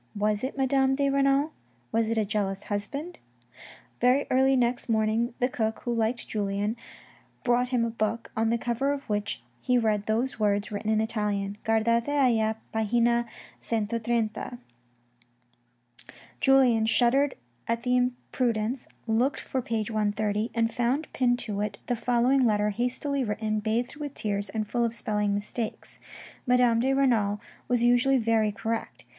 Was it Madame de Renal ? Was it a jealous husband ? Very early next morning the cook, who liked Julien, brought him a book, on the cover of which he read these words written in Italian : Guardate alia pagina 130. Julien shuddered at the imprudence, looked for page 130, and found pinned to it the following letter hastily written, bathed with tears, and full of spelling mistakes. Madame de Renal was usually very correct.